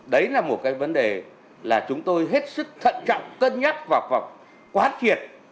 đấy là một cái vấn đề là chúng tôi hết sức thận trọng cân nhắc và quá thiệt